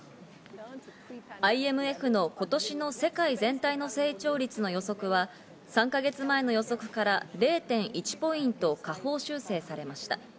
ＩＭＦの今年の世界全体の成長率の予測は、３か月前の予測から０．１ポイント下方修正されました。